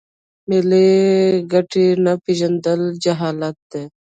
ملي ګټې نه پیژندل جهالت دی.